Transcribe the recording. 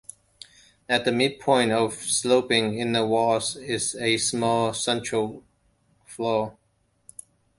At the midpoint of the sloping inner walls is a small central floor.